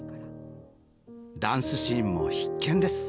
ダンスシーンも必見です！